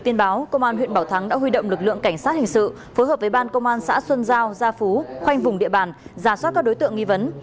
điện ban công an xã xuân giao gia phú khoanh vùng địa bàn giả soát các đối tượng nghi vấn